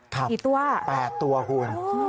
ครับ๘ตัวคุณ